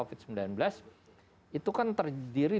itu kan terdiri